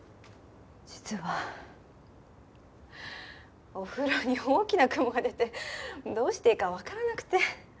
実はお風呂に大きなクモが出てどうしていいかわからなくて。